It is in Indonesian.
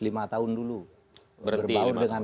lima tahun dulu berbaur dengan